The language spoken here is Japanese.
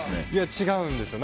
違うんですよ。